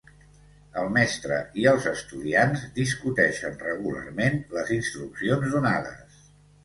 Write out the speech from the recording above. El mestre i els estudiants discuteixen regularment les instruccions donades.